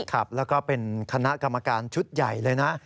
ครับแล้วก็เป็นคณะกรรมการชุดใหญ่เลยนะ